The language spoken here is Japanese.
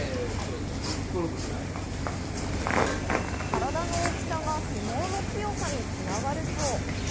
体の大きさが相撲の強さに繋がるそう。